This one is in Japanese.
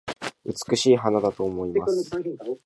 美しい花だと思います